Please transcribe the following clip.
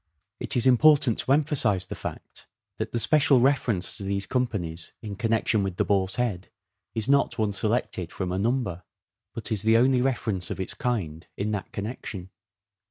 It is important to emphasize the fact that the special reference to these companies in connection with the " Boar's Head " is not one selected from a number, but is the only reference of its kind in that connection.